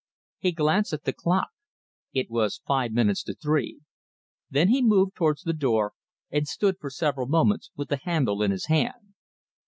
He glanced at the clock. It was five minutes to three. Then he moved towards the door, and stood for several moments with the handle in his hand.